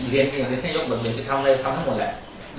ได้เลือกเป็นซิ่งยกด่อนเดียวจะทำทั้งหมด